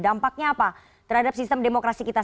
dampaknya apa terhadap sistem demokrasi kita